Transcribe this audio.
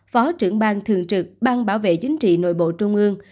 phó trưởng bang thường trực bang bảo vệ chính trị nội bộ trung ương